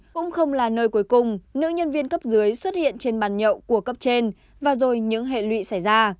cũng không là nơi cuối cùng nữ nhân viên cấp dưới xuất hiện trên bàn nhậu của cấp trên và rồi những hệ lụy xảy ra